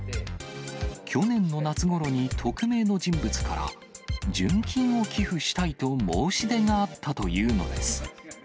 去年の夏ごろに匿名の人物から、純金を寄付したいと申し出があったというのです。